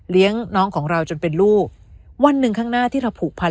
น้องของเราจนเป็นลูกวันหนึ่งข้างหน้าที่เราผูกพัน